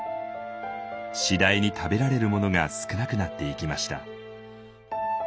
次第に食べられるものが少なくなっていきました。